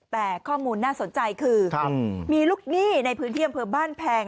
แต่ข้อมูลน่าสนใจคือมีลูกหนี้ในพื้นที่อำเภอบ้านแพง